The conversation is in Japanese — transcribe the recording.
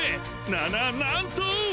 なななんとー！